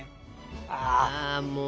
ああもう